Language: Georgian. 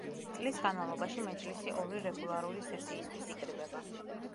წლის განმავლობაში მეჯლისი ორი რეგულარული სესიისთვის იკრიბება.